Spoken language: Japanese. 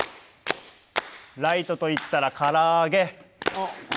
ライトと言ったらからあげ。